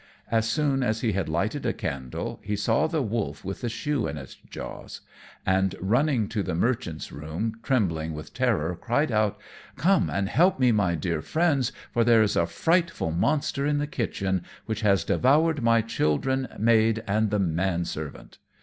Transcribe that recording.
As soon as he had lighted a candle he saw the wolf with the shoe in its jaws, and running to the merchant's room, trembling with terror, cried out, "Come and help me, my dear Friends, for there is a frightful monster in the kitchen, which has devoured my children, maid, and man servant."